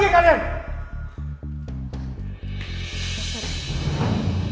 apa yang terjadi dengan pak arta